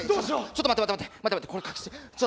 ちょっと待って待ってこれ隠して。